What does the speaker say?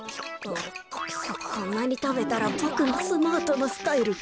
こんなにたべたらボクのスマートなスタイルが。